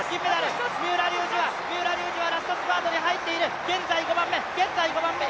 三浦龍司はラストスパートで入っている、現在５番目。